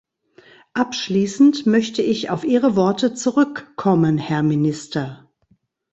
Abschließend möchte ich auf Ihre Worte zurückkommen, Herr Minister.